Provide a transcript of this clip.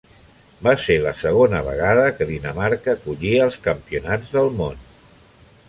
Va ser la segona vegada que Dinamarca acollia els campionats del món.